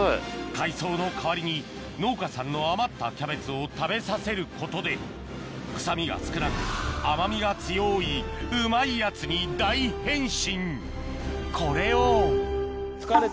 海藻の代わりに農家さんの余ったキャベツを食べさせることで臭みが少なく甘みが強いうまいやつに大変身